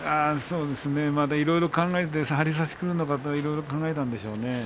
いろいろ考えて張り差しくるのかといろいろ考えたんでしょうね。